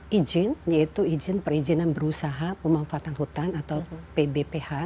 berikan dalam bentuk izin yaitu izin perizinan berusaha pemanfaatan hutan atau pbph